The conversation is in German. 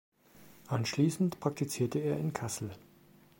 Anschließend praktizierte er in Kassel.